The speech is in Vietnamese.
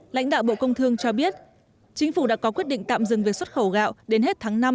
lãnh đạo bộ công thương cho biết chính phủ đã có quyết định tạm dừng việc xuất khẩu gạo đến hết tháng năm